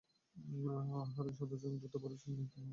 হারান শান্ত সংযত পরেশকে নিতান্ত দুর্বলস্বভাব বলিয়া মনে করিতেন।